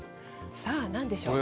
さあ、なんでしょう。